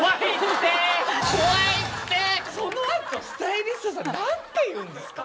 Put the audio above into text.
その後スタイリストさん何て言うんですか？